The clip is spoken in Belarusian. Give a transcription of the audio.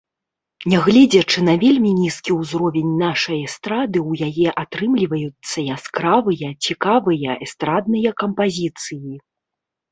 Нягледзячы на вельмі нізкі ўзровень нашай эстрады, у яе атрымліваюцца яскравыя, цікавыя эстрадныя кампазіцыі.